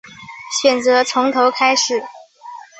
选择从头开始